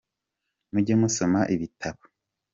mujye musoma ibitabo